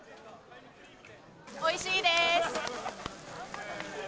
おいしいでーす。